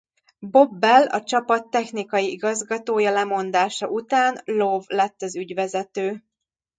Bob Bell a csapat technikai igazgatója lemondása után Lowe lett az ügyvezető.